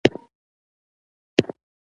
د ښکلو دښتو بادونو زموږ سترګې ښکلولې.